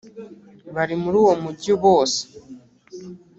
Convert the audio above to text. bari muri uwo mugi bose